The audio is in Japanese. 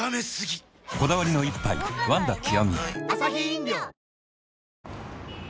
こだわりの一杯「ワンダ極」